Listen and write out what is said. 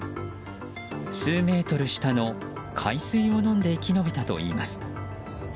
数メートル下の海水を飲んで生き延びたといいます。